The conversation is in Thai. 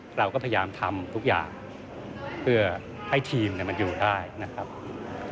เราก็พยายามทำทุกอย่างเพื่อให้ทีมมันอยู่ได้นะครับ